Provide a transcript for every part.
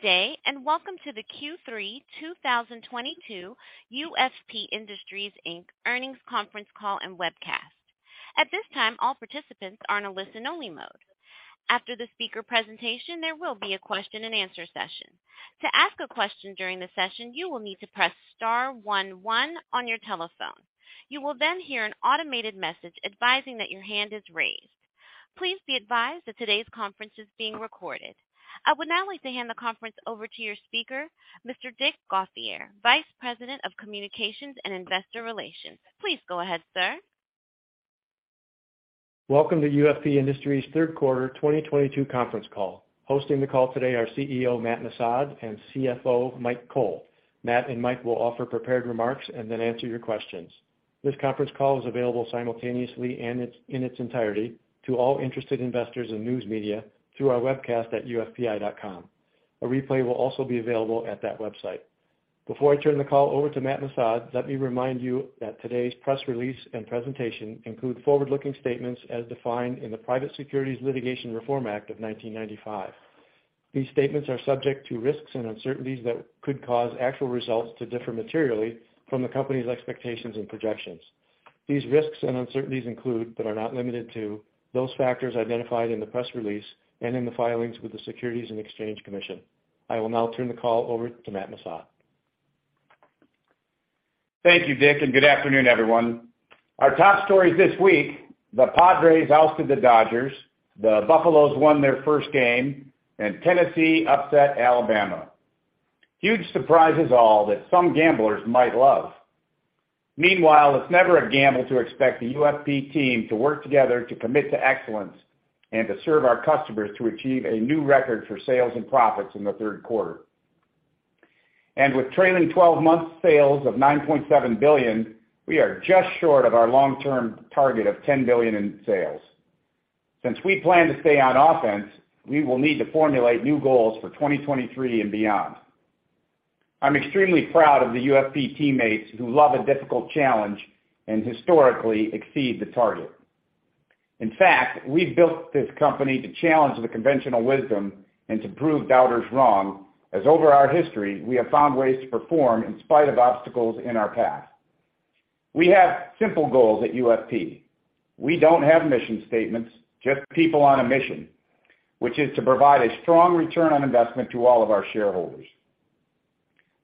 Good day, and welcome to the Q3 2022 UFP Industries Inc. Earnings Conference Call and Webcast. At this time, all participants are in a listen-only mode. After the speaker presentation, there will be a Q&A session. To ask a question during the session, you will need to press star one one on your telephone. You will then hear an automated message advising that your hand is raised. Please be advised that today's conference is being recorded. I would now like to hand the conference over to your speaker, Mr. Dick Gauthier, Vice President of Communications and Investor Relations. Please go ahead, sir. Welcome to UFP Industries' third quarter 2022 conference call. Hosting the call today are CEO Matt Missad and CFO Mike Cole. Matt and Mike will offer prepared remarks and then answer your questions. This conference call is available simultaneously in its entirety to all interested investors and news media through our webcast at ufpi.com. A replay will also be available at that website. Before I turn the call over to Matt Missad, let me remind you that today's press release and presentation include forward-looking statements as defined in the Private Securities Litigation Reform Act of 1995. These statements are subject to risks and uncertainties that could cause actual results to differ materially from the company's expectations and projections. These risks and uncertainties include, but are not limited to, those factors identified in the press release and in the filings with the SEC. I will now turn the call over to Matthew Missad. Thank you, Dick, and good afternoon, everyone. Our top stories this week, the Padres ousted the Dodgers, the Buffaloes won their first game, and Tennessee upset Alabama. Huge surprises all that some gamblers might love. Meanwhile, it's never a gamble to expect the UFP team to work together to commit to excellence and to serve our customers to achieve a new record for sales and profits in the third quarter. With trailing twelve months sales of $9.7 billion, we are just short of our long-term target of $10 billion in sales. Since we plan to stay on offense, we will need to formulate new goals for 2023 and beyond. I'm extremely proud of the UFP teammates who love a difficult challenge and historically exceed the target. In fact, we built this company to challenge the conventional wisdom and to prove doubters wrong, as over our history, we have found ways to perform in spite of obstacles in our path. We have simple goals at UFP. We don't have mission statements, just people on a mission, which is to provide a strong return on investment to all of our shareholders.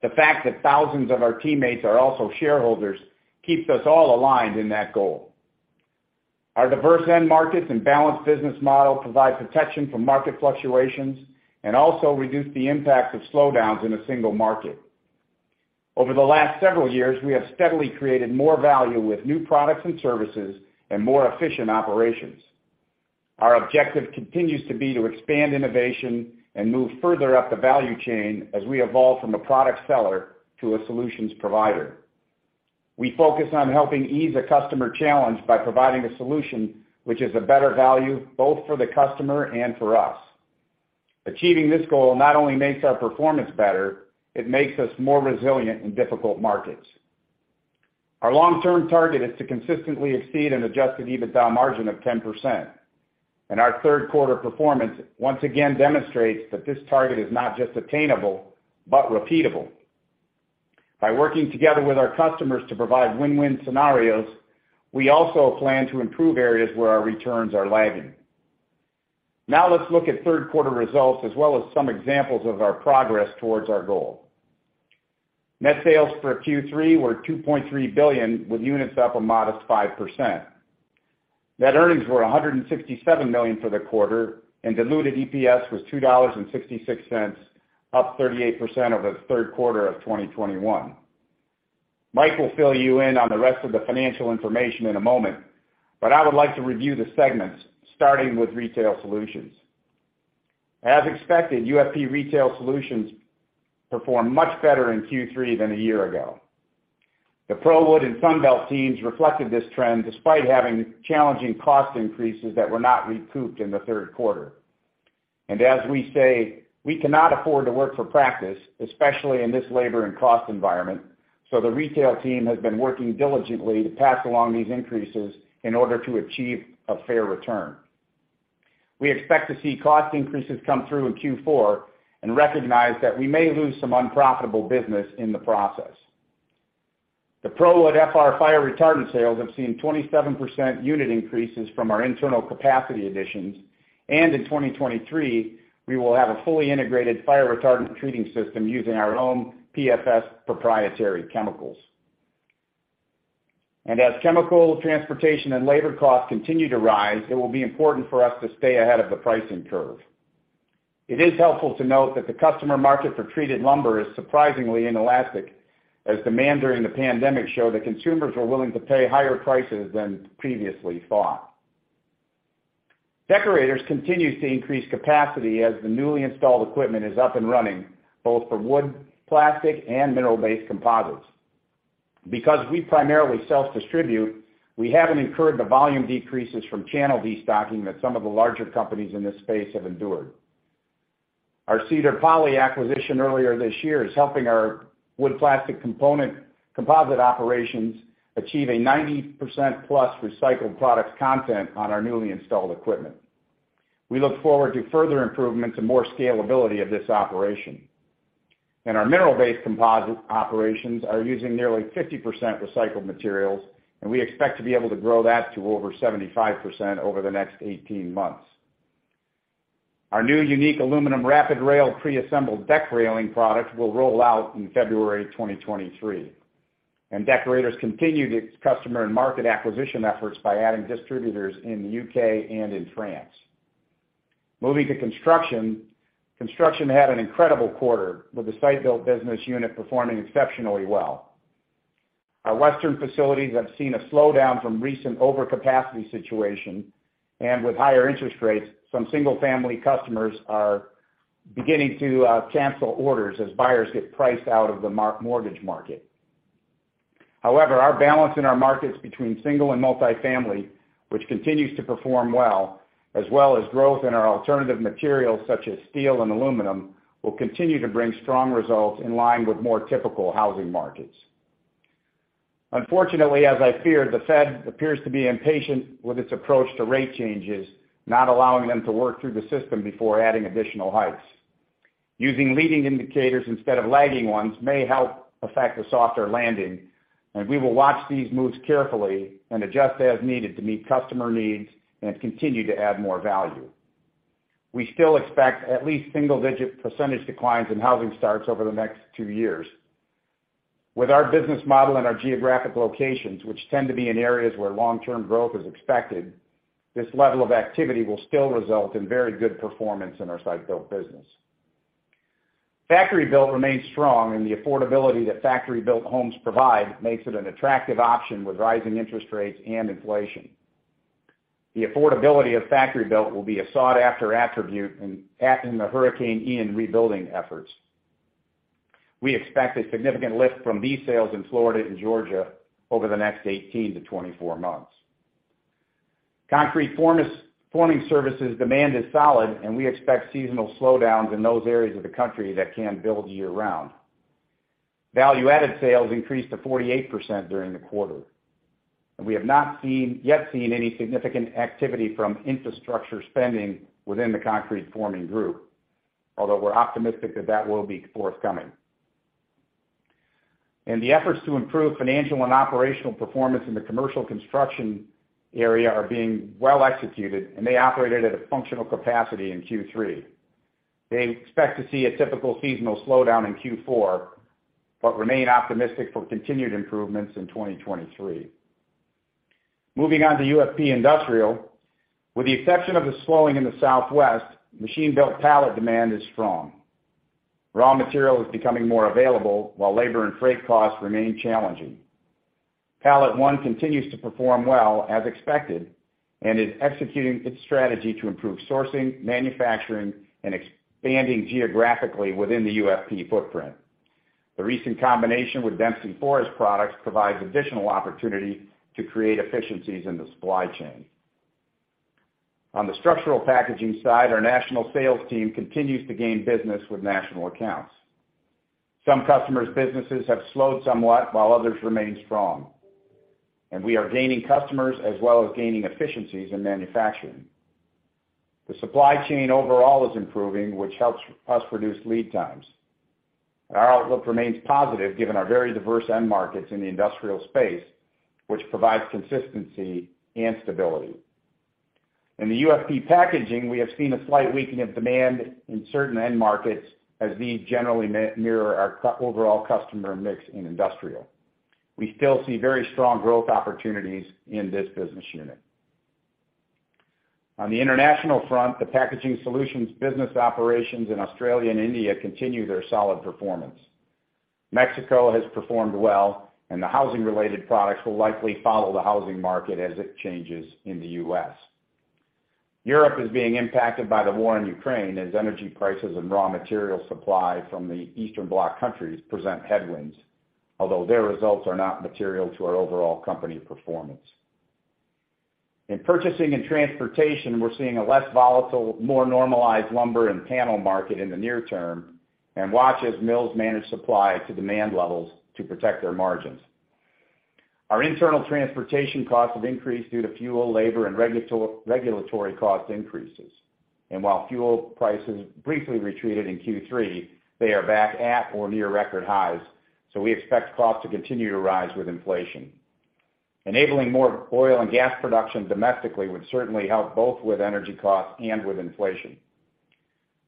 The fact that thousands of our teammates are also shareholders keeps us all aligned in that goal. Our diverse end markets and balanced business model provide protection from market fluctuations and also reduce the impact of slowdowns in a single market. Over the last several years, we have steadily created more value with new products and services and more efficient operations. Our objective continues to be to expand innovation and move further up the value chain as we evolve from a product seller to a solutions provider. We focus on helping ease a customer challenge by providing a solution which is a better value both for the customer and for us. Achieving this goal not only makes our performance better, it makes us more resilient in difficult markets. Our long-term target is to consistently exceed an Adjusted EBITDA margin of 10%, and our third quarter performance once again demonstrates that this target is not just attainable, but repeatable. By working together with our customers to provide win-win scenarios, we also plan to improve areas where our returns are lagging. Now let's look at third quarter results as well as some examples of our progress towards our goal. Net sales for Q3 were $2.3 billion, with units up a modest 5%. Net earnings were $167 million for the quarter, and diluted EPS was $2.66, up 38% over the third quarter of 2021. Mike will fill you in on the rest of the financial information in a moment, but I would like to review the segments, starting with Retail Solutions. As expected, UFP Retail Solutions performed much better in Q3 than a year ago. The ProWood and Sunbelt teams reflected this trend despite having challenging cost increases that were not recouped in the third quarter. As we say, we cannot afford to work for free, especially in this labor and cost environment, so the retail team has been working diligently to pass along these increases in order to achieve a fair return. We expect to see cost increases come through in Q4 and recognize that we may lose some unprofitable business in the process. The ProWood FR fire retardant sales have seen 27% unit increases from our internal capacity additions, and in 2023, we will have a fully integrated fire retardant treating system using our own PFS proprietary chemicals. As chemical, transportation, and labor costs continue to rise, it will be important for us to stay ahead of the pricing curve. It is helpful to note that the customer market for treated lumber is surprisingly inelastic, as demand during the pandemic showed that consumers were willing to pay higher prices than previously thought. Deckorators continues to increase capacity as the newly installed equipment is up and running, both for wood, plastic, and mineral-based composites. Because we primarily self-distribute, we haven't incurred the volume decreases from channel destocking that some of the larger companies in this space have endured. Our Cedar Poly acquisition earlier this year is helping our wood-plastic composite operations achieve a +90% recycled products content on our newly installed equipment. We look forward to further improvements and more scalability of this operation. Our mineral-based composite operations are using nearly 50% recycled materials, and we expect to be able to grow that to over 75% over the next 18 months. Our new unique aluminum Rapid Rail pre-assembled deck railing product will roll out in February 2023. Deckorators continue its customer and market acquisition efforts by adding distributors in the U.K. and in France. Moving to construction. Construction had an incredible quarter, with the site-built business unit performing exceptionally well. Our Western facilities have seen a slowdown from recent overcapacity situation, and with higher interest rates, some single-family customers are beginning to cancel orders as buyers get priced out of the mortgage market. However, our balance in our markets between single and multifamily, which continues to perform well, as well as growth in our alternative materials such as steel and aluminum, will continue to bring strong results in line with more typical housing markets. Unfortunately, as I feared, the Fed appears to be impatient with its approach to rate changes, not allowing them to work through the system before adding additional hikes. Using leading indicators instead of lagging ones may help affect a softer landing, and we will watch these moves carefully and adjust as needed to meet customer needs and continue to add more value. We still expect at least single-digit percentage declines in housing starts over the next two years. With our business model and our geographic locations, which tend to be in areas where long-term growth is expected, this level of activity will still result in very good performance in our site-built business. Factory-built remains strong, and the affordability that factory-built homes provide makes it an attractive option with rising interest rates and inflation. The affordability of factory-built will be a sought-after attribute in the Hurricane Ian rebuilding efforts. We expect a significant lift from these sales in Florida and Georgia over the next 18-24 months. Concrete forming services demand is solid, and we expect seasonal slowdowns in those areas of the country that can build year-round. Value-added sales increased to 48% during the quarter. We have not seen yet any significant activity from infrastructure spending within the concrete forming group, although we're optimistic that that will be forthcoming. In the efforts to improve financial and operational performance in the commercial construction area are being well executed, and they operated at a functional capacity in Q3. They expect to see a typical seasonal slowdown in Q4, but remain optimistic for continued improvements in 2023. Moving on to UFP Industrial. With the exception of the slowing in the Southwest, machine-built pallet demand is strong. Raw material is becoming more available, while labor and freight costs remain challenging. PalletOne continues to perform well as expected and is executing its strategy to improve sourcing, manufacturing, and expanding geographically within the UFP footprint. The recent combination with Dempsey Wood Products provides additional opportunity to create efficiencies in the supply chain. On the structural packaging side, our national sales team continues to gain business with national accounts. Some customers' businesses have slowed somewhat, while others remain strong, and we are gaining customers as well as gaining efficiencies in manufacturing. The supply chain overall is improving, which helps us reduce lead times. Our outlook remains positive given our very diverse end markets in the industrial space, which provides consistency and stability. In the UFP Packaging, we have seen a slight weakening of demand in certain end markets as these generally mirror our overall customer mix in industrial. We still see very strong growth opportunities in this business unit. On the international front, the packaging solutions business operations in Australia and India continue their solid performance. Mexico has performed well, and the housing-related products will likely follow the housing market as it changes in the U.S. Europe is being impacted by the war in Ukraine as energy prices and raw material supply from the Eastern Bloc countries present headwinds, although their results are not material to our overall company performance. In purchasing and transportation, we're seeing a less volatile, more normalized lumber and panel market in the near term and watch as mills manage supply to demand levels to protect their margins. Our internal transportation costs have increased due to fuel, labor, and regulatory cost increases. While fuel prices briefly retreated in Q3, they are back at or near record highs, so we expect costs to continue to rise with inflation. Enabling more oil and gas production domestically would certainly help both with energy costs and with inflation.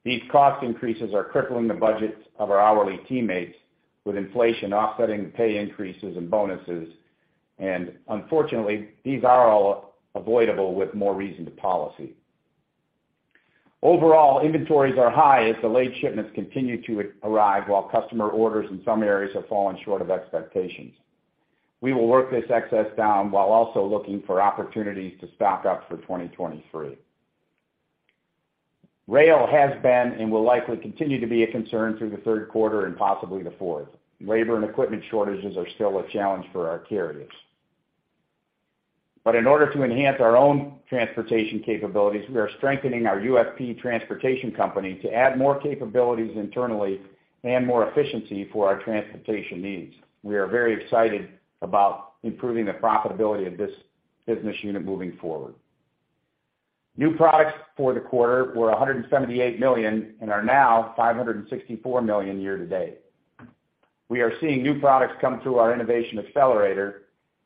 These cost increases are crippling the budgets of our hourly teammates, with inflation offsetting pay increases and bonuses, and unfortunately, these are all avoidable with more reasoned policy. Overall, inventories are high as delayed shipments continue to arrive while customer orders in some areas have fallen short of expectations. We will work this excess down while also looking for opportunities to stock up for 2023. Rail has been and will likely continue to be a concern through the third quarter and possibly the fourth. Labor and equipment shortages are still a challenge for our carriers. In order to enhance our own transportation capabilities, we are strengthening our UFP Transportation Company to add more capabilities internally and more efficiency for our transportation needs. We are very excited about improving the profitability of this business unit moving forward. New products for the quarter were $178 million and are now $564 million year to date. We are seeing new products come through our Innovation Accelerator,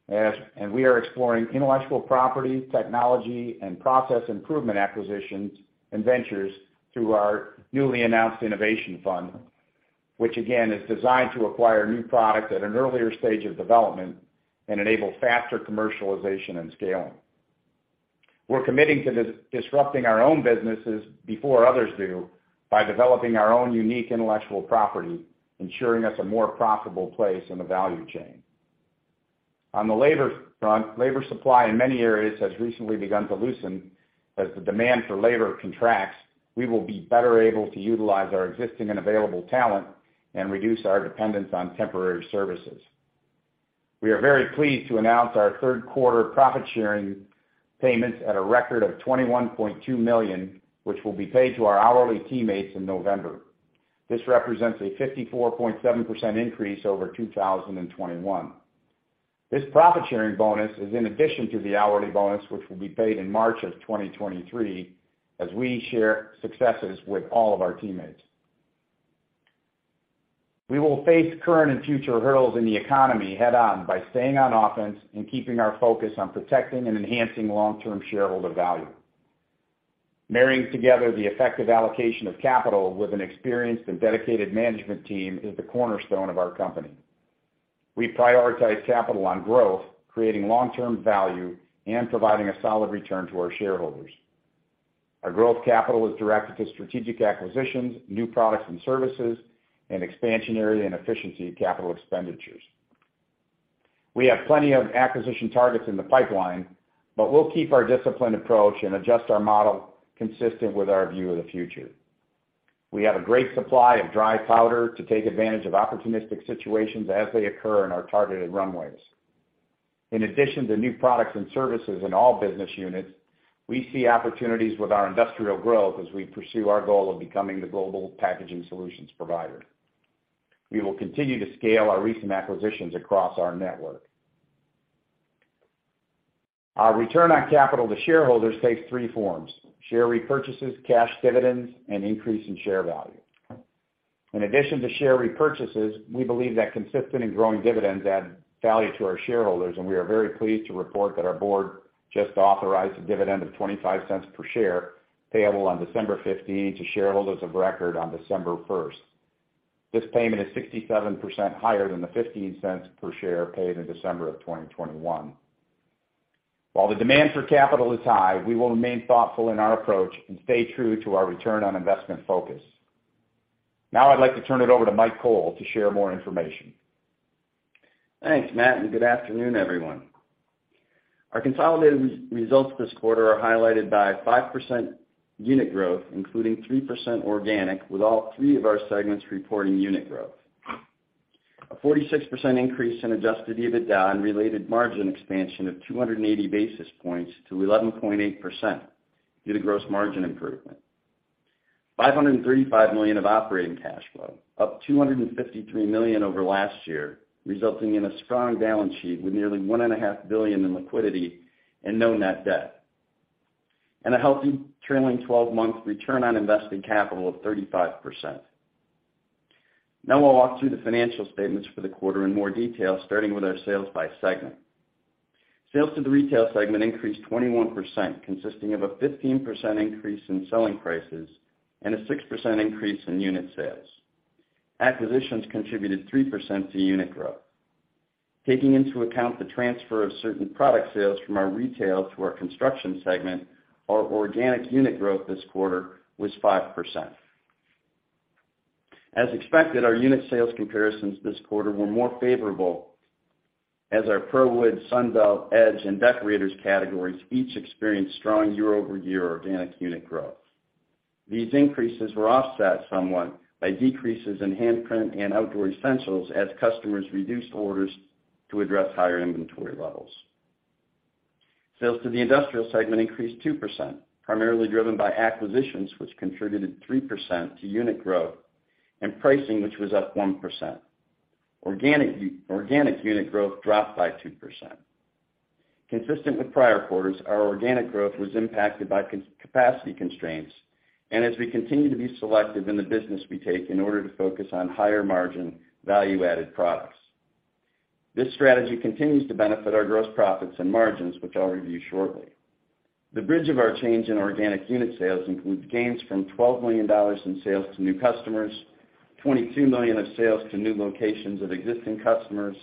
and we are exploring intellectual property, technology, and process improvement acquisitions and ventures through our newly announced Innov8 Fund. Which again is designed to acquire new product at an earlier stage of development and enable faster commercialization and scaling. We're committing to disrupting our own businesses before others do by developing our own unique intellectual property, ensuring us a more profitable place in the value chain. On the labor front, labor supply in many areas has recently begun to loosen. As the demand for labor contracts, we will be better able to utilize our existing and available talent and reduce our dependence on temporary services. We are very pleased to announce our third quarter profit-sharing payments at a record of $21.2 million, which will be paid to our hourly teammates in November. This represents a 54.7% increase over 2021. This profit-sharing bonus is in addition to the hourly bonus, which will be paid in March 2023, as we share successes with all of our teammates. We will face current and future hurdles in the economy head-on by staying on offense and keeping our focus on protecting and enhancing long-term shareholder value. Marrying together the effective allocation of capital with an experienced and dedicated management team is the cornerstone of our company. We prioritize capital on growth, creating long-term value, and providing a solid return to our shareholders. Our growth capital is directed to strategic acquisitions, new products and services, and expansionary and efficiency capital expenditures. We have plenty of acquisition targets in the pipeline, but we'll keep our disciplined approach and adjust our model consistent with our view of the future. We have a great supply of dry powder to take advantage of opportunistic situations as they occur in our targeted runways. In addition to new products and services in all business units, we see opportunities with our industrial growth as we pursue our goal of becoming the global packaging solutions provider. We will continue to scale our recent acquisitions across our network. Our return on capital to shareholders takes three forms, share repurchases, cash dividends, and increase in share value. In addition to share repurchases, we believe that consistent and growing dividends add value to our shareholders, and we are very pleased to report that our board just authorized a dividend of $0.25 per share, payable on 15th December to shareholders of record on 1st December. This payment is 67% higher than the $0.15 per share paid in December of 2021. While the demand for capital is high, we will remain thoughtful in our approach and stay true to our return on investment focus. Now, I'd like to turn it over to Mike Cole to share more information. Thanks, Matt, and good afternoon, everyone. Our consolidated results this quarter are highlighted by 5% unit growth, including 3% organic, with all three of our segments reporting unit growth. A 46% increase in Adjusted EBITDA and related margin expansion of 280 basis points to 11.8% due to gross margin improvement. $535 million of operating cash flow, up $253 million over last year, resulting in a strong balance sheet with nearly $1.5 billion in liquidity and no net debt. A healthy trailing 12-month return on invested capital of 35%. Now, I'll walk through the financial statements for the quarter in more detail, starting with our sales by segment. Sales to the retail segment increased 21%, consisting of a 15% increase in selling prices and a 6% increase in unit sales. Acquisitions contributed 3% to unit growth. Taking into account the transfer of certain product sales from our retail to our construction segment, our organic unit growth this quarter was 5%. As expected, our unit sales comparisons this quarter were more favorable as our ProWood, Sunbelt, Edge, and Deckorators categories each experienced strong YoY organic unit growth. These increases were offset somewhat by decreases in Handprint and Outdoor Essentials as customers reduced orders to address higher inventory levels. Sales to the industrial segment increased 2%, primarily driven by acquisitions, which contributed 3% to unit growth, and pricing, which was up 1%. Organic unit growth dropped by 2%. Consistent with prior quarters, our organic growth was impacted by construction capacity constraints and as we continue to be selective in the business we take in order to focus on higher-margin, value-added products. This strategy continues to benefit our gross profits and margins, which I'll review shortly. The bridge of our change in organic unit sales includes gains from $12 million in sales to new customers, $22 million of sales to new locations of existing customers,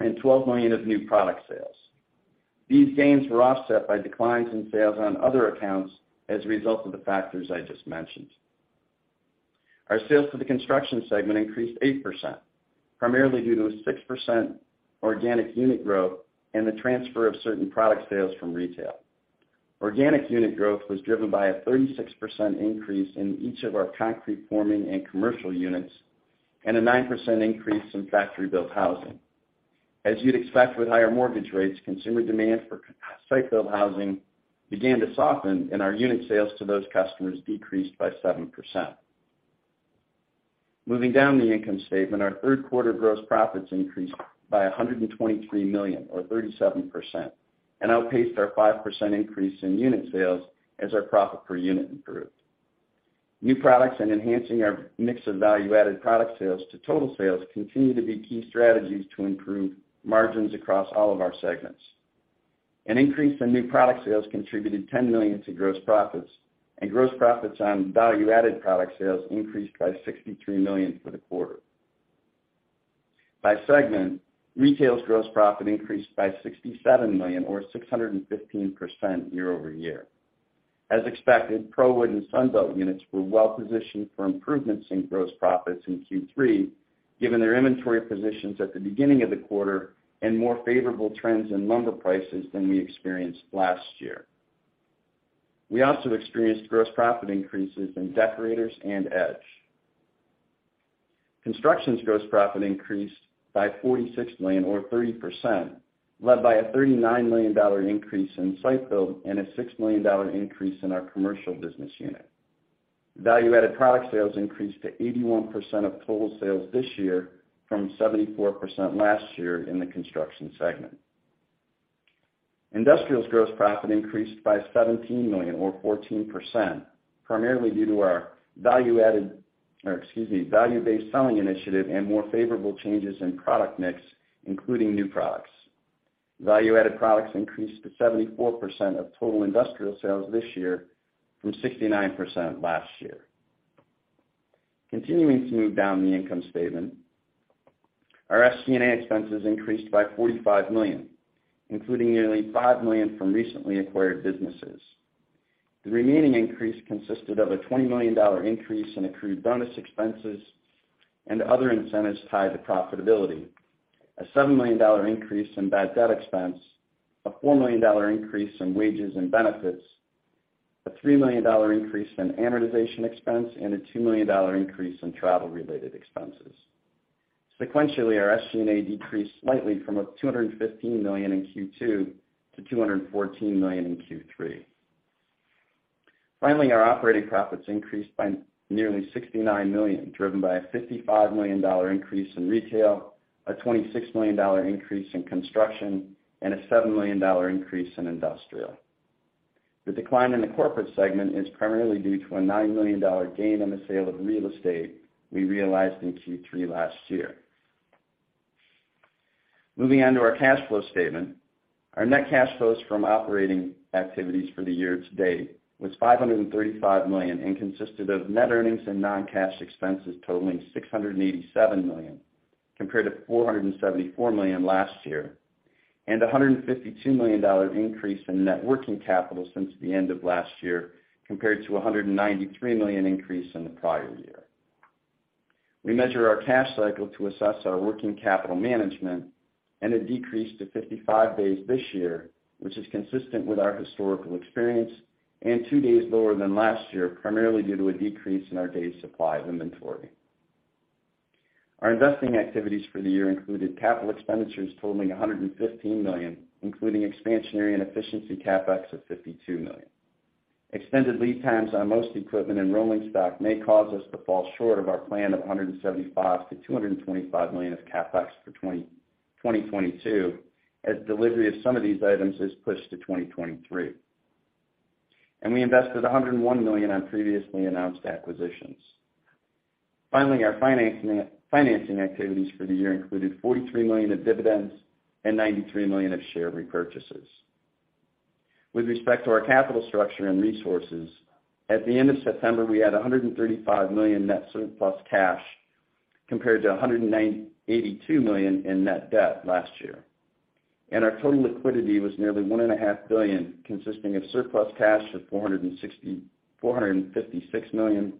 and $12 million of new product sales. These gains were offset by declines in sales on other accounts as a result of the factors I just mentioned. Our sales to the construction segment increased 8%, primarily due to a 6% organic unit growth and the transfer of certain product sales from retail. Organic unit growth was driven by a 36% increase in each of our concrete forming and commercial units and a 9% increase in factory-built housing. As you'd expect with higher mortgage rates, consumer demand for site-built housing began to soften, and our unit sales to those customers decreased by 7%. Moving down the income statement, our third quarter gross profits increased by $123 million or 37% and outpaced our 5% increase in unit sales as our profit per unit improved. New products and enhancing our mix of value-added product sales to total sales continue to be key strategies to improve margins across all of our segments. An increase in new product sales contributed $10 million to gross profits, and gross profits on value-added product sales increased by $63 million for the quarter. By segment, retail's gross profit increased by $67 million or 615% YoY. As expected, ProWood and Sunbelt units were well positioned for improvements in gross profits in Q3, given their inventory positions at the beginning of the quarter and more favorable trends in lumber prices than we experienced last year. We also experienced gross profit increases in Deckorators and Edge. Construction's gross profit increased by $46 million or 30%, led by a $39 million increase in site-built and a $6 million increase in our commercial business unit. Value-added product sales increased to 81% of total sales this year from 74% last year in the construction segment. Industrial's gross profit increased by $17 million or 14%, primarily due to our value-based selling initiative and more favorable changes in product mix, including new products. Value-added products increased to 74% of total industrial sales this year from 69% last year. Continuing to move down the income statement, our SG&A expenses increased by $45 million, including nearly $5 million from recently acquired businesses. The remaining increase consisted of a $20 million increase in accrued bonus expenses and other incentives tied to profitability, a $7 million increase in bad debt expense, a $4 million increase in wages and benefits, a $3 million increase in amortization expense, and a $2 million increase in travel-related expenses. Sequentially, our SG&A decreased slightly from $215 million in Q2 to $214 million in Q3. Finally, our operating profits increased by nearly $69 million, driven by a $55 million increase in retail, a $26 million increase in construction, and a $7 million increase in industrial. The decline in the corporate segment is primarily due to a $9 million gain on the sale of real estate we realized in Q3 last year. Moving on to our cash flow statement. Our net cash flows from operating activities for the year-to-date was $535 million and consisted of net earnings and non-cash expenses totaling $687 million compared to $474 million last year, and a $152 million increase in net working capital since the end of last year, compared to a $193 million increase in the prior year. We measure our cash cycle to assess our working capital management, and it decreased to 55 days this year, which is consistent with our historical experience and two days lower than last year, primarily due to a decrease in our days supply of inventory. Our investing activities for the year included capital expenditures totaling $115 million, including expansionary and efficiency CapEx of $52 million. Extended lead times on most equipment and rolling stock may cause us to fall short of our plan of $175 million-$225 million of CapEx for 2022, as delivery of some of these items is pushed to 2023. We invested $101 million on previously announced acquisitions. Finally, our financing activities for the year included $43 million of dividends and $93 million of share repurchases. With respect to our capital structure and resources, at the end of September, we had $135 million net surplus cash compared to $82 million in net debt last year. Our total liquidity was nearly $1.5 billion, consisting of surplus cash of $456 million,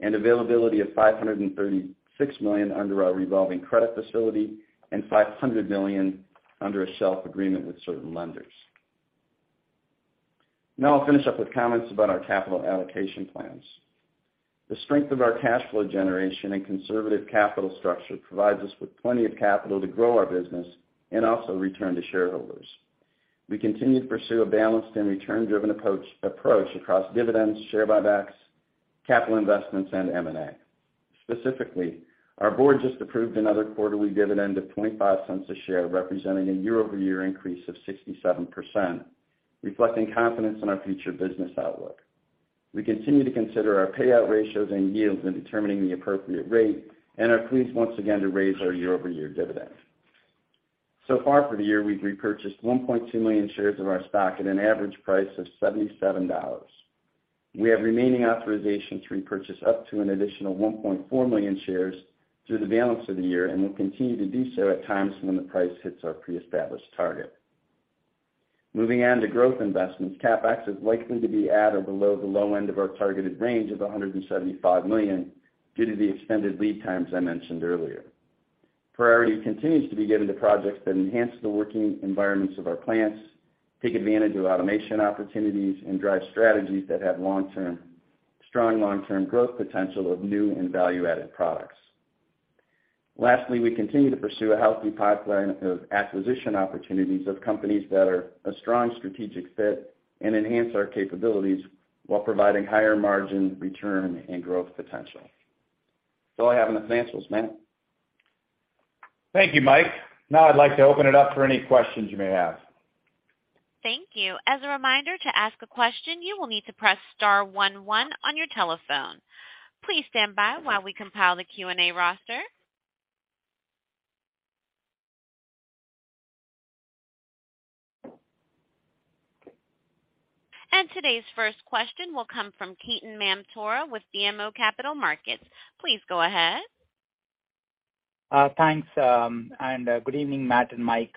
and availability of $536 million under our revolving credit facility and $500 million under a shelf agreement with certain lenders. Now I'll finish up with comments about our capital allocation plans. The strength of our cash flow generation and conservative capital structure provides us with plenty of capital to grow our business and also return to shareholders. We continue to pursue a balanced and return-driven approach across dividends, share buybacks, capital investments, and M&A. Specifically, our board just approved another quarterly dividend of $0.25 a share, representing a YoY increase of 67%, reflecting confidence in our future business outlook. We continue to consider our payout ratios and yields in determining the appropriate rate and are pleased once again to raise our YoY dividend. So far for the year, we've repurchased 1.2 million shares of our stock at an average price of $77. We have remaining authorization to repurchase up to an additional 1.4 million shares through the balance of the year and will continue to do so at times when the price hits our pre-established target. Moving on to growth investments. CapEx is likely to be at or below the low end of our targeted range of $175 million due to the extended lead times I mentioned earlier. Priority continues to be given to projects that enhance the working environments of our plants, take advantage of automation opportunities, and drive strategies that have strong long-term growth potential of new and value-added products. Lastly, we continue to pursue a healthy pipeline of acquisition opportunities of companies that are a strong strategic fit and enhance our capabilities while providing higher margin return and growth potential. That's all I have on the financials. Matt? Thank you, Mike. Now I'd like to open it up for any questions you may have. Thank you. As a reminder, to ask a question, you will need to press star one one on your telephone. Please stand by while we compile the Q&A roster. Today's first question will come from Ketan Mamtora with BMO Capital Markets. Please go ahead. Thanks and good evening, Matt and Mike.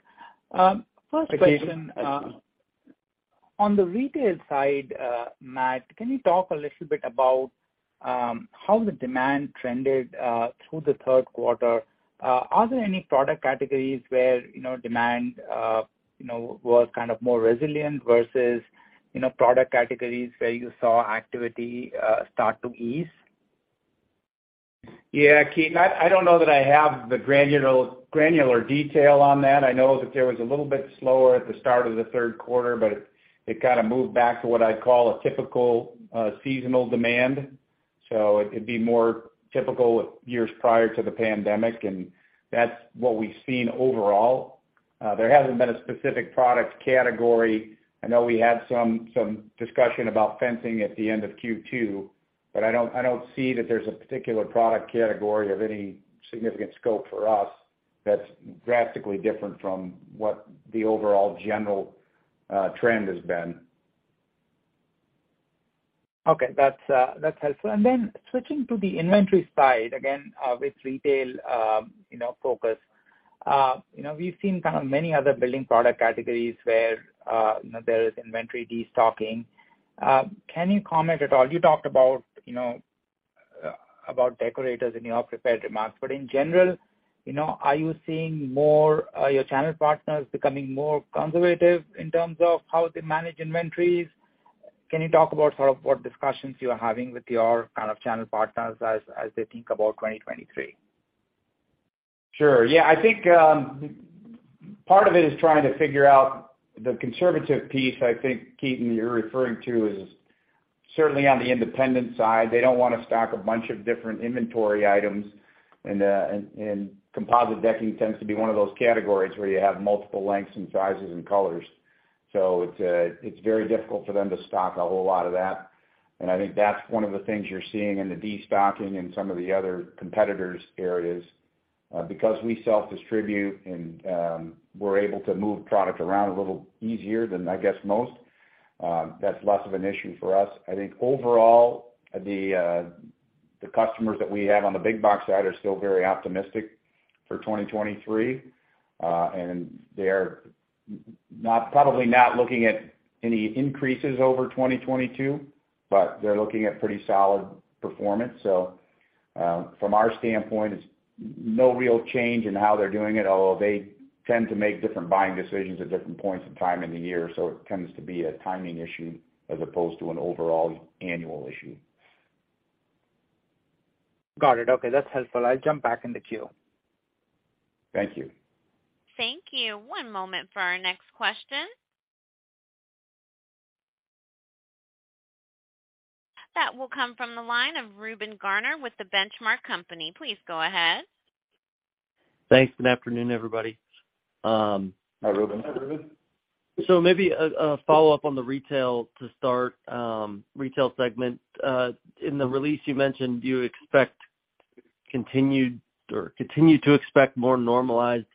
First question, on the retail side, Matt, can you talk a little bit about how the demand trended through the third quarter? Are there any product categories where, you know, demand, you know, was kind of more resilient versus, you know, product categories where you saw activity start to ease? Yeah. Ketan, I don't know that I have the granular detail on that. I know that there was a little bit slower at the start of the third quarter, but it kind of moved back to what I'd call a typical seasonal demand. It could be more typical years prior to the pandemic, and that's what we've seen overall. There hasn't been a specific product category. I know we had some discussion about fencing at the end of Q2, but I don't see that there's a particular product category of any significant scope for us that's drastically different from what the overall general trend has been. Okay. That's helpful. Switching to the inventory side, again, with retail focus. You know, we've seen kind of many other building product categories where you know, there is inventory destocking. Can you comment at all? You talked about Deckorators in your prepared remarks, but in general, you know, are you seeing more of your channel partners becoming more conservative in terms of how they manage inventories? Can you talk about sort of what discussions you are having with your kind of channel partners as they think about 2023? Sure. Yeah. I think part of it is trying to figure out the conservative piece. I think, Ketan, you're referring to is certainly on the independent side. They don't wanna stock a bunch of different inventory items. Composite decking tends to be one of those categories where you have multiple lengths and sizes and colors. It's very difficult for them to stock a whole lot of that. I think that's one of the things you're seeing in the destocking in some of the other competitors' areas. Because we self-distribute and we're able to move product around a little easier than, I guess, most, that's less of an issue for us. I think overall, the customers that we have on the big box side are still very optimistic for 2023. They're probably not looking at any increases over 2022, but they're looking at pretty solid performance. From our standpoint, it's no real change in how they're doing it, although they tend to make different buying decisions at different points in time in the year. It tends to be a timing issue as opposed to an overall annual issue. Got it. Okay, that's helpful. I'll jump back in the queue. Thank you. Thank you. One moment for our next question. That will come from the line of Reuben Garner with The Benchmark Company. Please go ahead. Thanks. Good afternoon, everybody. Hi, Reuben. Maybe a follow-up on the retail, to start, retail segment. In the release you mentioned you continue to expect more normalized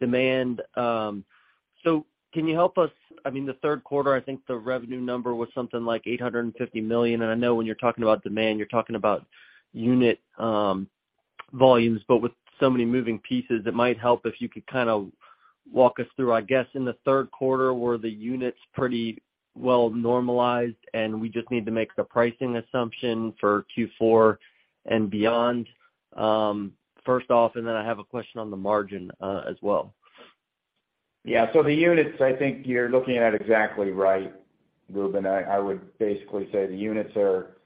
demand. Can you help us? I mean, the third quarter, I think the revenue number was something like $850 million. I know when you're talking about demand, you're talking about unit volumes, but with so many moving pieces, it might help if you could kind of walk us through. I guess, in the third quarter, were the units pretty well normalized and we just need to make the pricing assumption for Q4 and beyond, first off, and then I have a question on the margin as well. Yeah. The units, I think you're looking at exactly right, Reuben. I would basically say the units, for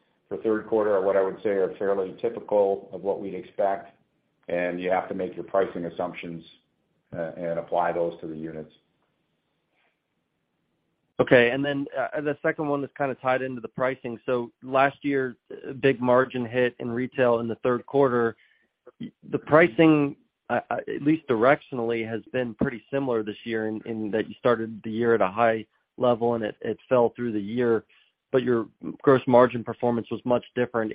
third quarter, are what I would say are fairly typical of what we'd expect, and you have to make your pricing assumptions and apply those to the units. Okay. The second one is kind of tied into the pricing. Last year, a big margin hit in Retail in the third quarter. The pricing, at least directionally, has been pretty similar this year in that you started the year at a high level and it fell through the year, but your gross margin performance was much different.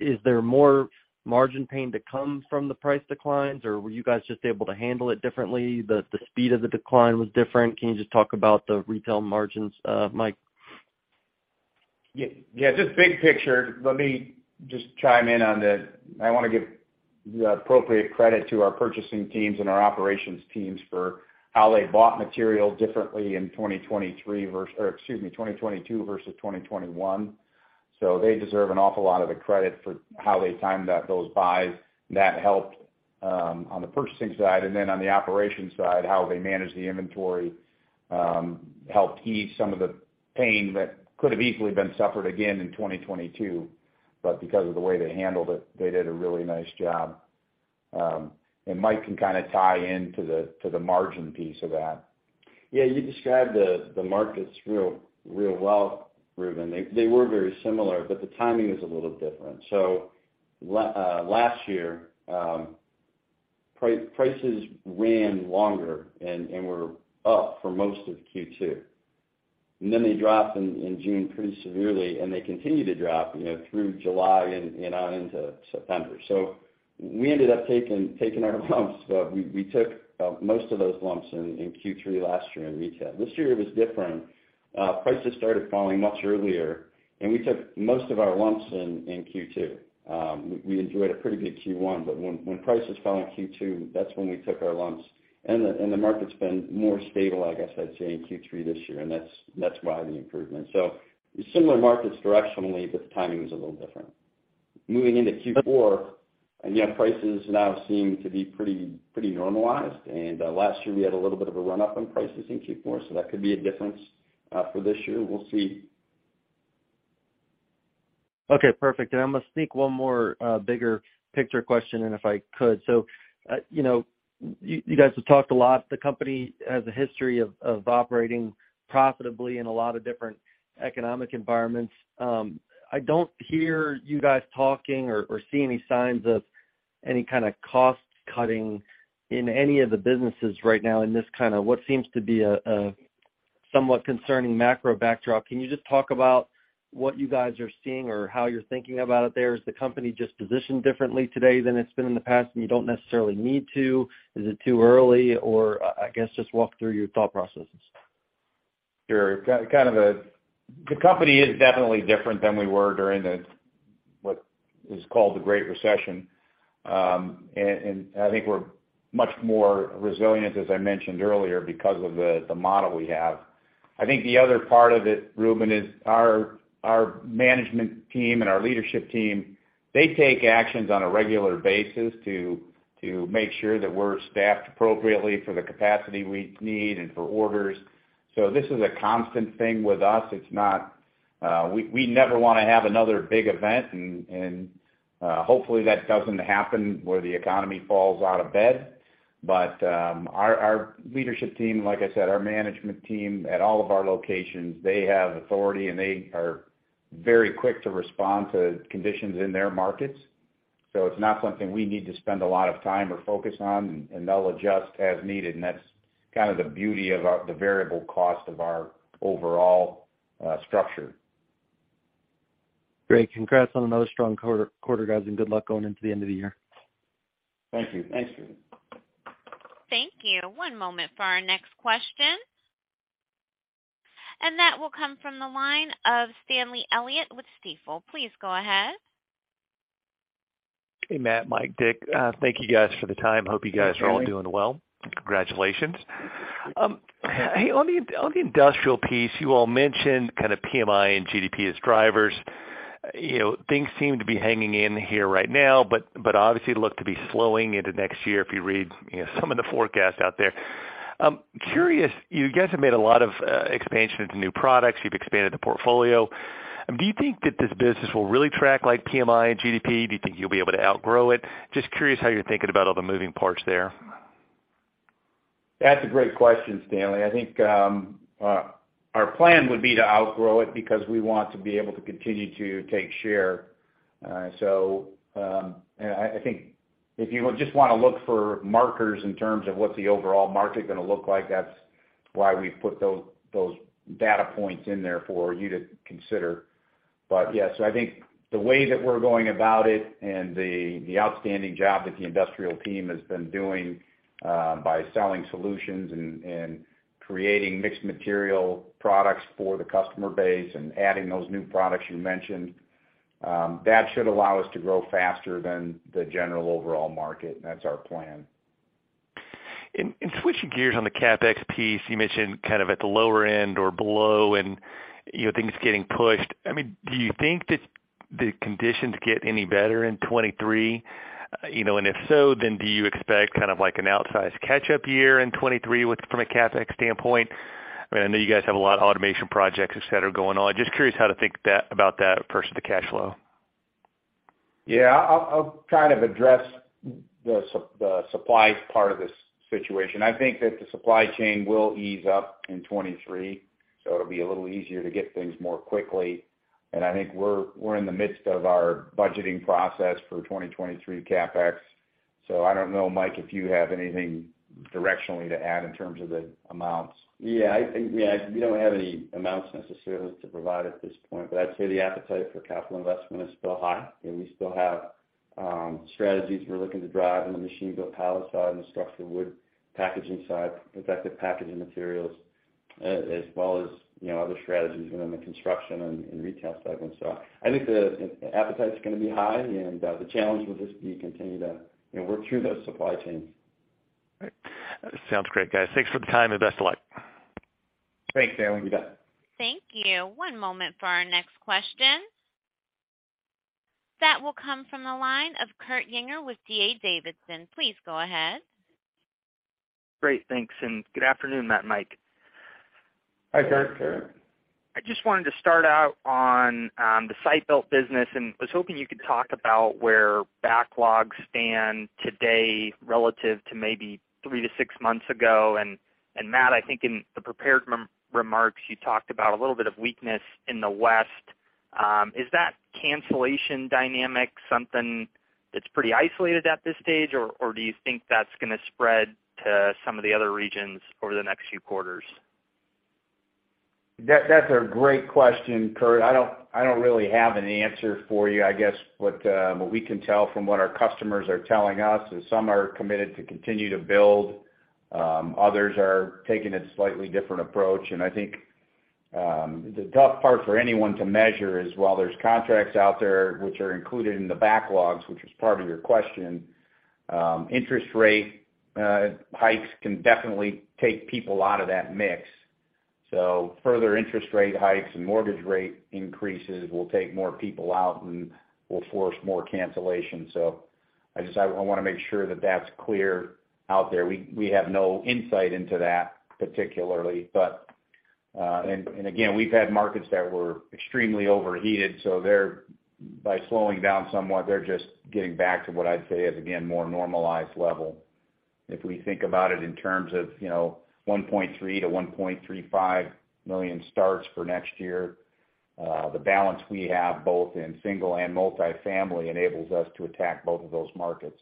Is there more margin pain to come from the price declines, or were you guys just able to handle it differently? The speed of the decline was different. Can you just talk about the Retail margins, Mike? Yeah. Yeah. Just big picture. Let me just chime in. I wanna give the appropriate credit to our purchasing teams and our operations teams for how they bought material differently in 2022 versus 2021. They deserve an awful lot of the credit for how they timed those buys. That helped on the purchasing side. On the operations side, how they managed the inventory helped ease some of the pain that could have easily been suffered again in 2022. Because of the way they handled it, they did a really nice job. Mike can kinda tie into to the margin piece of that. Yeah. You described the markets real well, Ruben. They were very similar, but the timing is a little different. Last year, prices ran longer and were up for most of Q2. Then they dropped in June pretty severely, and they continued to drop, you know, through July and into September. We ended up taking our lumps, but we took most of those lumps in Q3 last year in retail. This year it was different. Prices started falling much earlier, and we took most of our lumps in Q2. We enjoyed a pretty good Q1, but when prices fell in Q2, that's when we took our lumps. The market's been more stable, I guess I'd say, in Q3 this year, and that's why the improvement. Similar markets directionally, but the timing was a little different. Moving into Q4, yet prices now seem to be pretty normalized. Last year we had a little bit of a run-up on prices in Q4, so that could be a difference for this year. We'll see. Okay, perfect. I'm gonna sneak one more bigger picture question in if I could. You know, you guys have talked a lot, the company has a history of operating profitably in a lot of different economic environments. I don't hear you guys talking or see any signs of any kinda cost cutting in any of the businesses right now in this kinda what seems to be a somewhat concerning macro backdrop. Can you just talk about what you guys are seeing or how you're thinking about it there? Is the company just positioned differently today than it's been in the past, and you don't necessarily need to? Is it too early? I guess just walk through your thought processes. Sure. The company is definitely different than we were during the, what is called the Great Recession. I think we're much more resilient, as I mentioned earlier, because of the model we have. I think the other part of it, Reuben, is our management team and our leadership team. They take actions on a regular basis to make sure that we're staffed appropriately for the capacity we need and for orders. This is a constant thing with us. It's not. We never wanna have another big event and hopefully that doesn't happen, where the economy falls out of bed. Our leadership team, like I said, our management team at all of our locations, they have authority, and they are very quick to respond to conditions in their markets. It's not something we need to spend a lot of time or focus on, and they'll adjust as needed. That's kind of the beauty about the variable cost of our overall structure. Great. Congrats on another strong quarter, guys, and good luck going into the end of the year. Thank you. Thanks, Reuben. Thank you. One moment for our next question. That will come from the line of Stanley Elliott with Stifel. Please go ahead. Hey, Matt, Mike, Dick, thank you guys for the time. Thanks, Stanley. Hope you guys are all doing well. Congratulations. Hey, on the industrial piece, you all mentioned kinda PMI and GDP as drivers. You know, things seem to be hanging in here right now, but obviously look to be slowing into next year if you read, you know, some of the forecasts out there. Curious, you guys have made a lot of expansion into new products. You've expanded the portfolio. Do you think that this business will really track like PMI and GDP? Do you think you'll be able to outgrow it? Just curious how you're thinking about all the moving parts there. That's a great question, Stanley. I think our plan would be to outgrow it because we want to be able to continue to take share. I think if you just wanna look for markers in terms of what the overall market gonna look like, that's why we put those data points in there for you to consider. Yeah, I think the way that we're going about it and the outstanding job that the industrial team has been doing by selling solutions and creating mixed material products for the customer base and adding those new products you mentioned, that should allow us to grow faster than the general overall market, and that's our plan. Switching gears on the CapEx piece, you mentioned kind of at the lower end or below and, you know, things getting pushed. I mean, do you think that the conditions get any better in 2023? You know, if so, then do you expect kind of like an outsized catch-up year in 2023 with, from a CapEx standpoint? I mean, I know you guys have a lot of automation projects, etc., going on. Just curious how to think about that versus the cash flow. Yeah. I'll kind of address the supply part of this situation. I think that the supply chain will ease up in 2023, so it'll be a little easier to get things more quickly. I think we're in the midst of our budgeting process for 2023 CapEx. I don't know, Mike, if you have anything directionally to add in terms of the amounts. Yeah, we don't have any amounts necessarily to provide at this point, but I'd say the appetite for capital investment is still high. You know, we still have strategies we're looking to drive on the machine-built pallet side and the structural packaging side, protective packaging materials, as well as, you know, other strategies within the construction and retail segments. I think the appetite's gonna be high and the challenge will just be continue to, you know, work through those supply chains. All right. Sounds great, guys. Thanks for the time, and best of luck. Thanks, Stanley Elliott. You bet. Thank you. One moment for our next question. That will come from the line of Kurt Yinger with D.A. Davidson. Please go ahead. Great. Thanks, and good afternoon, Matt and Mike. Hi, Kurt. I just wanted to start out on the site-built business, and was hoping you could talk about where backlogs stand today relative to maybe 3 months to 6 months ago. And Matt, I think in the prepared remarks, you talked about a little bit of weakness in the West. Is that cancellation dynamic something that's pretty isolated at this stage, or do you think that's gonna spread to some of the other regions over the next few quarters? That's a great question, Kurt. I don't really have an answer for you. I guess what we can tell from what our customers are telling us is some are committed to continue to build, others are taking a slightly different approach. I think the tough part for anyone to measure is while there's contracts out there which are included in the backlogs, which is part of your question, interest rate hikes can definitely take people out of that mix. Further interest rate hikes and mortgage rate increases will take more people out and will force more cancellations. I just wanna make sure that that's clear out there. We have no insight into that particularly, but. Again, we've had markets that were extremely overheated, so by slowing down somewhat, they're just getting back to what I'd say is, again, more normalized level. If we think about it in terms of, you know, 1.3 million-1.35 million starts for next year, the balance we have both in single and multifamily enables us to attack both of those markets.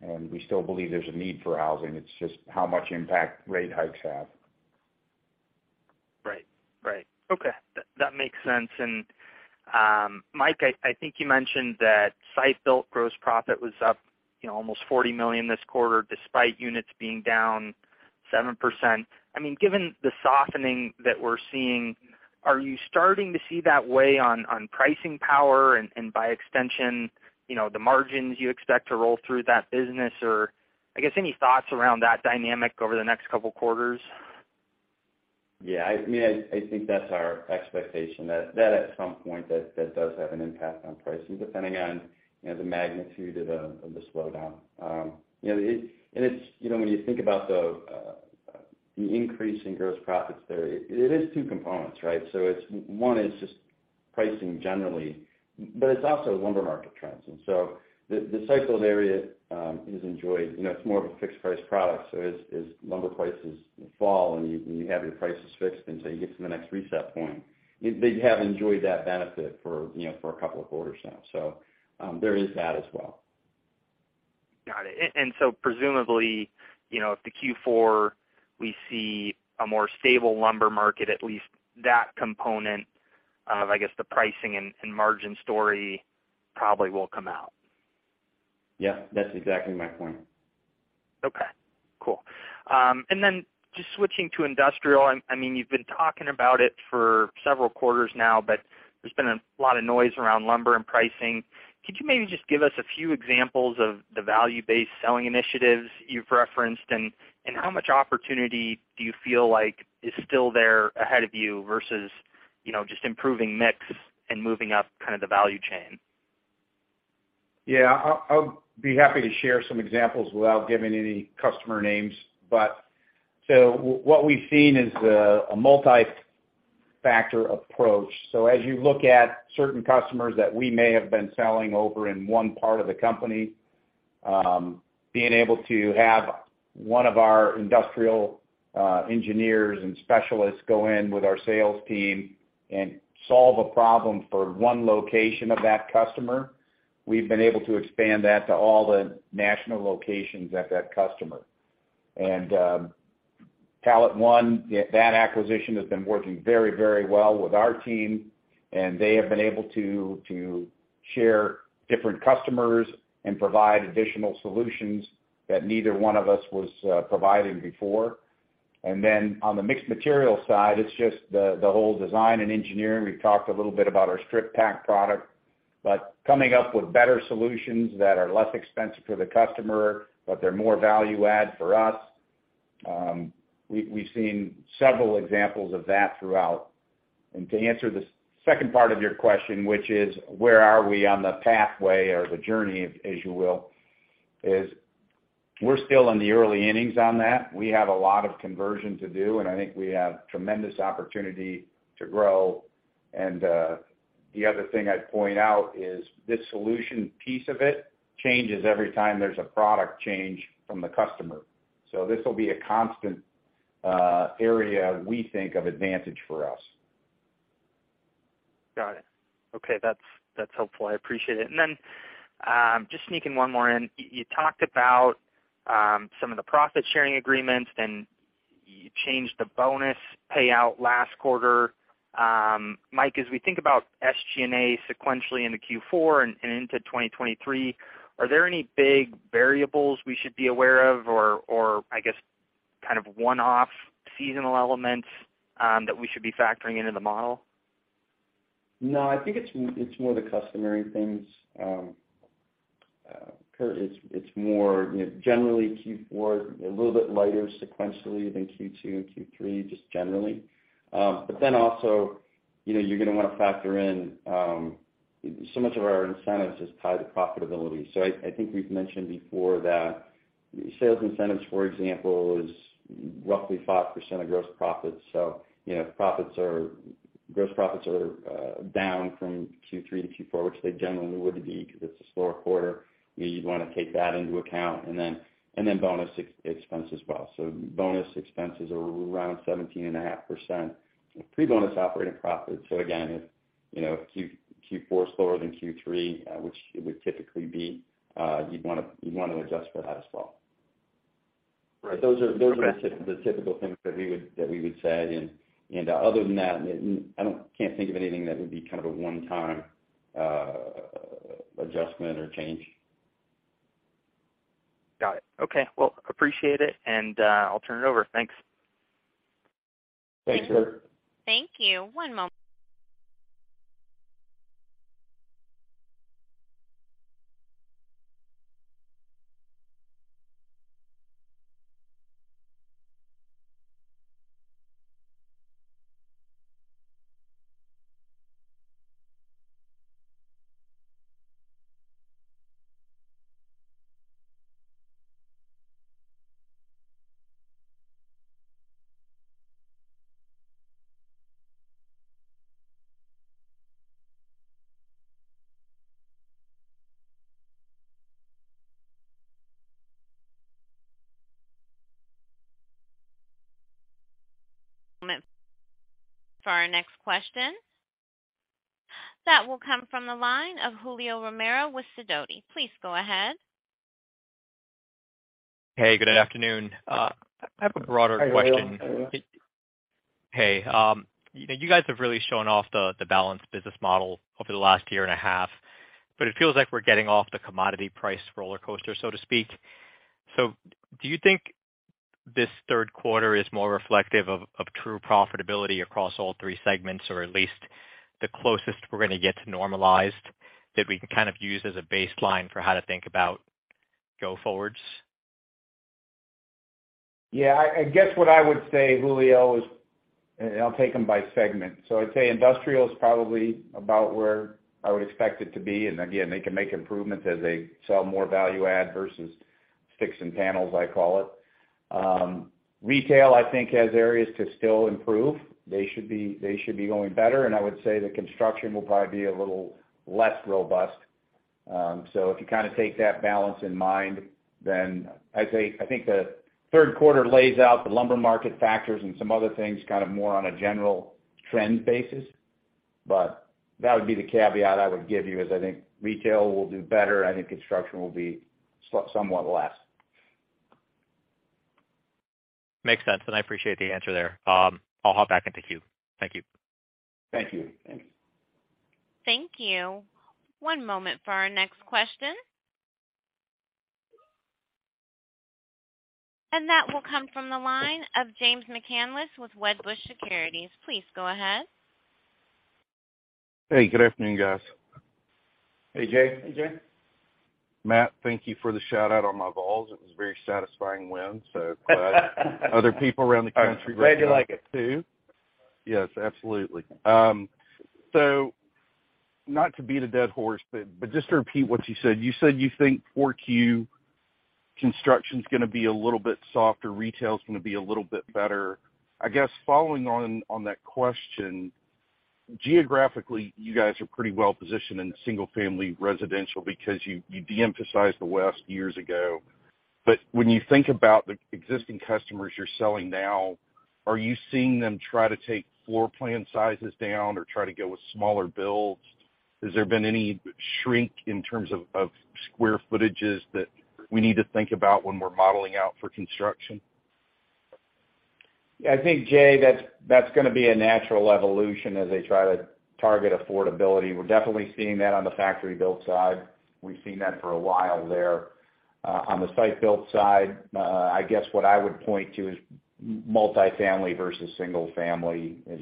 We still believe there's a need for housing. It's just how much impact rate hikes have. Right. Okay. That makes sense. Mike, I think you mentioned that site-built gross profit was up, you know, almost $40 million this quarter, despite units being down 7%. I mean, given the softening that we're seeing, are you starting to see that weigh on pricing power and by extension, you know, the margins you expect to roll through that business? I guess any thoughts around that dynamic over the next couple quarters? Yeah. I mean, I think that's our expectation. That at some point that does have an impact on pricing, depending on, you know, the magnitude of the slowdown. You know, it's, you know, when you think about the increase in gross profits there, it is two components, right? It's one is just pricing generally, but it's also lumber market trends. The site-built area has enjoyed, you know, it's more of a fixed price product, so as lumber prices fall and you have your prices fixed until you get to the next reset point, they have enjoyed that benefit for, you know, a couple of quarters now. There is that as well. Got it. Presumably, you know, if the Q4, we see a more stable lumber market, at least that component of, I guess, the pricing and margin story probably will come out. Yeah. That's exactly my point. Okay. Cool. Then just switching to industrial. I mean, you've been talking about it for several quarters now, but there's been a lot of noise around lumber and pricing. Could you maybe just give us a few examples of the value-based selling initiatives you've referenced? How much opportunity do you feel like is still there ahead of you versus, you know, just improving mix and moving up kind of the value chain? Yeah. I'll be happy to share some examples without giving any customer names. What we've seen is a multi-factor approach. As you look at certain customers that we may have been selling over in one part of the company, being able to have one of our industrial engineers and specialists go in with our sales team and solve a problem for one location of that customer, we've been able to expand that to all the national locations at that customer. PalletOne, that acquisition has been working very, very well with our team, and they have been able to share different customers and provide additional solutions that neither one of us was providing before. On the mixed material side, it's just the whole design and engineering. We've talked a little bit about our Strip-Pak product, but coming up with better solutions that are less expensive for the customer, but they're more value add for us, we've seen several examples of that throughout. To answer the second part of your question, which is where are we on the pathway or the journey, as you will, is we're still in the early innings on that. We have a lot of conversion to do, and I think we have tremendous opportunity to grow. The other thing I'd point out is this solution piece of it changes every time there's a product change from the customer. So this'll be a constant area we think of advantage for us. Got it. Okay. That's helpful. I appreciate it. Then, just sneaking one more in. You talked about some of the profit sharing agreements, and you changed the bonus payout last quarter. Mike, as we think about SG&A sequentially into Q4 and into 2023, are there any big variables we should be aware of or I guess kind of one-off seasonal elements that we should be factoring into the model? No, I think it's more the customary things. It's more, you know, generally Q4 a little bit lighter sequentially than Q2 and Q3, just generally. But then also, you know, you're gonna wanna factor in, so much of our incentives is tied to profitability. I think we've mentioned before that sales incentives, for example, is roughly 5% of gross profits. You know, gross profits are down from Q3 to Q4, which they generally would be because it's a slower quarter. You'd wanna take that into account, and then bonus expense as well. Bonus expenses are around 17.5%. Pre-bonus operating profits. Again, if you know, Q4 is slower than Q3, which it would typically be, you'd wanna adjust for that as well. Right. Okay. Those are the typical things that we would say. Other than that, I can't think of anything that would be kind of a one-time adjustment or change. Got it. Okay. Well, appreciate it, and I'll turn it over. Thanks. Thanks, sir. Thank you. One moment. For our next question. That will come from the line of Julio Romero with Sidoti. Please go ahead. Hey, good afternoon. I have a broader question. Hi, Julio. How are you? Hey. You know, you guys have really shown off the balanced business model over the last year and a half, but it feels like we're getting off the commodity price roller coaster, so to speak. Do you think this third quarter is more reflective of true profitability across all three segments, or at least the closest we're gonna get to normalized that we can kind of use as a baseline for how to think about go forwards? Yeah. I guess what I would say, Julio, is. I'll take them by segment. I'd say industrial is probably about where I would expect it to be, and again, they can make improvements as they sell more value add versus sticks and panels, I call it. Retail, I think, has areas to still improve. They should be going better. I would say the construction will probably be a little less robust. If you kind of take that balance in mind, then I'd say I think the third quarter lays out the lumber market factors and some other things, kind of more on a general trend basis. That would be the caveat I would give you is I think retail will do better. I think construction will be somewhat less. Makes sense, and I appreciate the answer there. I'll hop back into queue. Thank you. Thank you. Thanks. Thank you. One moment for our next question. That will come from the line of Jay McCanless with Wedbush Securities. Please go ahead. Hey, good afternoon, guys. Hey, Jay. Hey, Jay. Matt, thank you for the shout-out on my Buffs. It was a very satisfying win, so glad other people around the country. I'm glad you like it too. Yes, absolutely. Not to beat a dead horse, but just to repeat what you said. You said you think 4Q construction's gonna be a little bit softer, retail is gonna be a little bit better. I guess following on that question, geographically, you guys are pretty well positioned in the single-family residential because you de-emphasized the West years ago. When you think about the existing customers you're selling now, are you seeing them try to take floor plan sizes down or try to go with smaller builds? Has there been any shrink in terms of square footages that we need to think about when we're modeling out for construction? I think, Jay, that's gonna be a natural evolution as they try to target affordability. We're definitely seeing that on the factory-built side. We've seen that for a while there. On the site-built side, I guess what I would point to is multifamily versus single family. As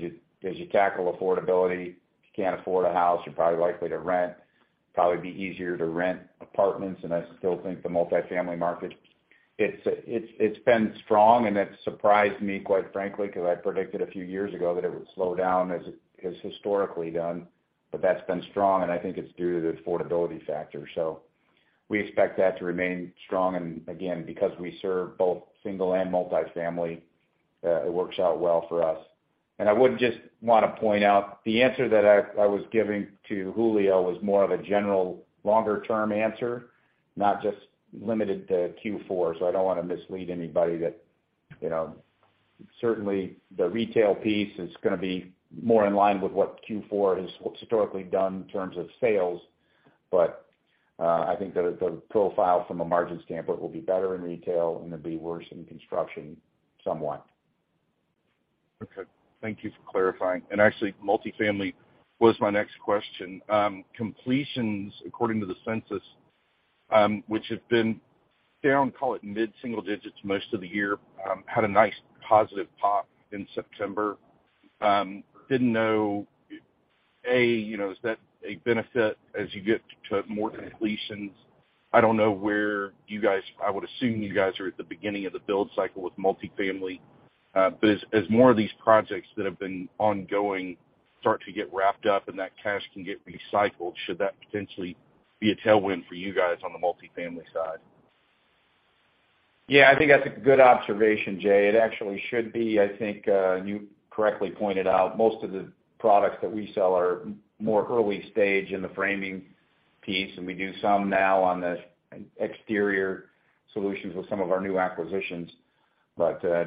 you tackle affordability, if you can't afford a house, you're probably likely to rent, probably be easier to rent apartments, and I still think the multifamily market, it's been strong, and it surprised me, quite frankly, because I predicted a few years ago that it would slow down as it has historically done. That's been strong, and I think it's due to the affordability factor. We expect that to remain strong. Again, because we serve both single and multifamily, it works out well for us. I would just wanna point out the answer that I was giving to Julio was more of a general longer-term answer, not just limited to Q4. I don't wanna mislead anybody that, you know, certainly the retail piece is gonna be more in line with what Q4 has historically done in terms of sales. But, I think that the profile from a margin standpoint will be better in retail and it'll be worse in construction somewhat. Okay. Thank you for clarifying. Actually, multifamily was my next question. Completions according to the census, which have been down, call it mid-single digits most of the year, had a nice positive pop in September. Didn't know, you know, is that a benefit as you get to more completions? I don't know where you guys are. I would assume you guys are at the beginning of the build cycle with multifamily. But as more of these projects that have been ongoing start to get wrapped up and that cash can get recycled, should that potentially be a tailwind for you guys on the multifamily side? Yeah, I think that's a good observation, Jay. It actually should be. I think you correctly pointed out most of the products that we sell are more early stage in the framing piece, and we do some now on the exterior solutions with some of our new acquisitions.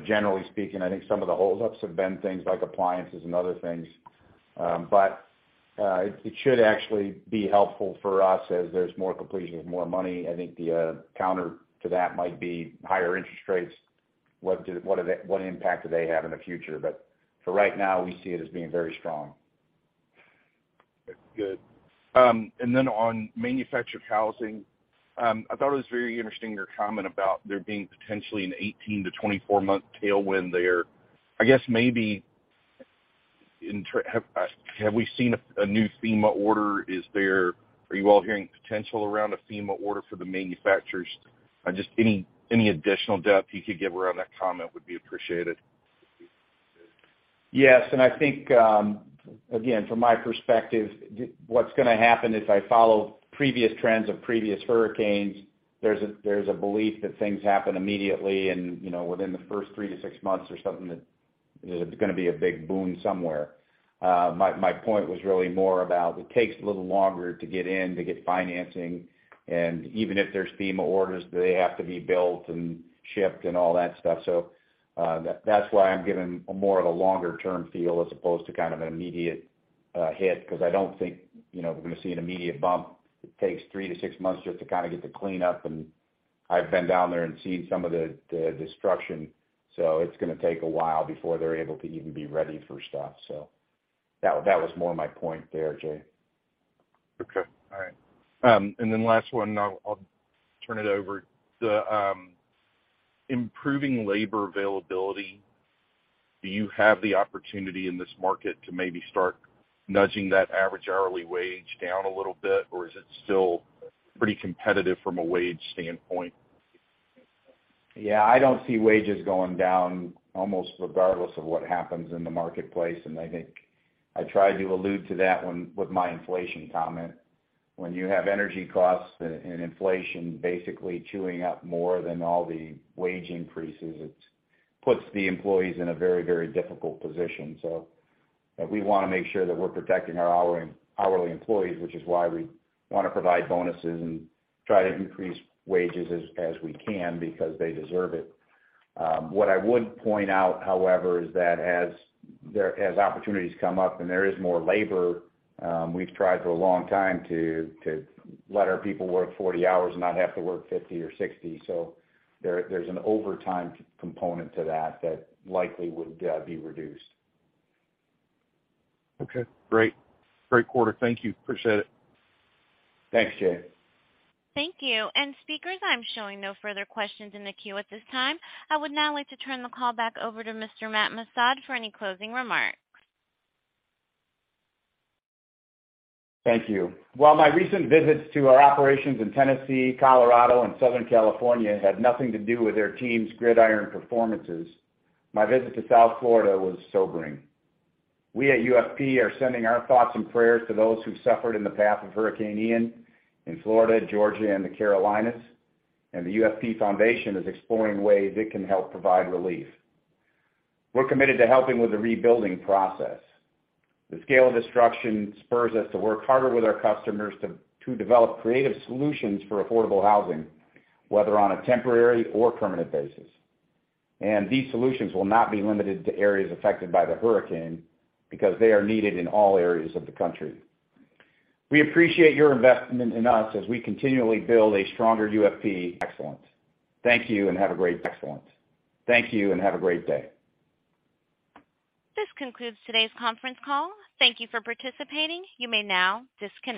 Generally speaking, I think some of the holdups have been things like appliances and other things. It should actually be helpful for us as there's more completions, more money. I think the counter to that might be higher interest rates. What impact do they have in the future? For right now, we see it as being very strong. Good. On manufactured housing, I thought it was very interesting your comment about there being potentially an 18 month -24 month tailwind there. Have we seen a new FEMA order? Are you all hearing potential around a FEMA order for the manufacturers? Just any additional depth you could give around that comment would be appreciated. Yes. I think, again, from my perspective, what's gonna happen if I follow previous trends of previous hurricanes, there's a belief that things happen immediately and, you know, within the first 3 months -6 months or something, that there's gonna be a big boom somewhere. My point was really more about it takes a little longer to get in, to get financing. Even if there's FEMA orders, they have to be built and shipped and all that stuff. That's why I'm giving more of a longer-term feel as opposed to kind of an immediate hit, 'cause I don't think, you know, we're gonna see an immediate bump. It takes 3 months-6 months just to kind of get the cleanup, and I've been down there and seen some of the destruction. It's gonna take a while before they're able to even be ready for stuff. That was more my point there, Jay. Okay. All right. Then last one, I'll turn it over. The improving labor availability, do you have the opportunity in this market to maybe start nudging that average hourly wage down a little bit, or is it still pretty competitive from a wage standpoint? Yeah, I don't see wages going down almost regardless of what happens in the marketplace. I think I tried to allude to that when with my inflation comment. When you have energy costs and inflation basically chewing up more than all the wage increases, it puts the employees in a very, very difficult position. We wanna make sure that we're protecting our hourly employees, which is why we wanna provide bonuses and try to increase wages as we can because they deserve it. What I would point out, however, is that as opportunities come up and there is more labor, we've tried for a long time to let our people work 40 hours and not have to work 50 or 60. There's an overtime component to that that likely would be reduced. Okay, great. Great quarter. Thank you. Appreciate it. Thanks, Jay. Thank you. Speakers, I'm showing no further questions in the queue at this time. I would now like to turn the call back over to Mr. Matthew Missad for any closing remarks. Thank you. While my recent visits to our operations in Tennessee, Colorado, and Southern California had nothing to do with their team's gridiron performances, my visit to South Florida was sobering. We at UFP are sending our thoughts and prayers to those who suffered in the path of Hurricane Ian in Florida, Georgia, and the Carolinas, and the UFP Foundation is exploring ways it can help provide relief. We're committed to helping with the rebuilding process. The scale of destruction spurs us to work harder with our customers to develop creative solutions for affordable housing, whether on a temporary or permanent basis. These solutions will not be limited to areas affected by the hurricane because they are needed in all areas of the country. We appreciate your investment in us as we continually build a stronger UFP. Excellent. Thank you. Excellent. Thank you and have a great day. This concludes today's conference call. Thank you for participating. You may now disconnect.